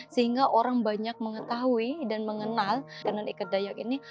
sehingga orang banyak mengetahui dan mengenal tenun ikat dayak ini